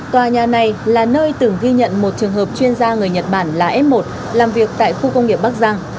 tòa nhà này là nơi từng ghi nhận một trường hợp chuyên gia người nhật bản là f một làm việc tại khu công nghiệp bắc giang